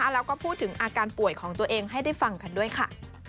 แล้วก็พูดถึงอาการป่วยของตัวเองให้ได้ฟังกันด้วยค่ะ